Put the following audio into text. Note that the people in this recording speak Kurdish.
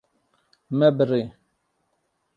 Me birî.